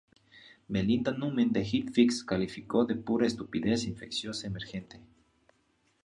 Melinda Newman de "HitFix" calificó de "pura estupidez infecciosa emergente.